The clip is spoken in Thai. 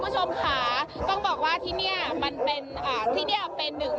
มารอบนี้อลังการมากก็รู้แบบคุ้มเกินที่เรามาสร้าง